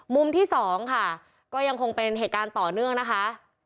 ที่สองค่ะก็ยังคงเป็นเหตุการณ์ต่อเนื่องนะคะ